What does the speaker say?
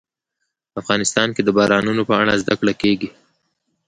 افغانستان کې د بارانونو په اړه زده کړه کېږي.